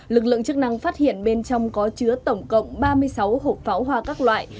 lực lượng chức năng phát hiện bên trong có chứa tổng cộng ba mươi sáu hộp pháo hoa các loại